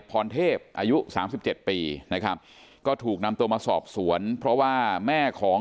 พรเทพอายุสามสิบเจ็ดปีนะครับก็ถูกนำตัวมาสอบสวนเพราะว่าแม่ของ